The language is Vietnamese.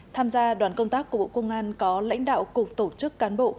tham gia đoàn công tác của bộ công an có lãnh đạo cục tổ chức cán bộ